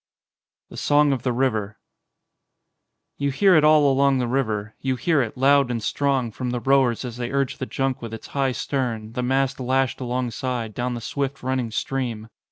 128 XXXIII THE SONG OF THE RIVER YOU hear it all along the river. You hear it, loud and strong, from the rowers as they urge the junk with its high stern, the mast lashed alongside, down the swift running stream.